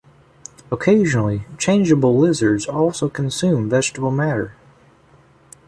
Occasionally changeable lizards also consume vegetable matter.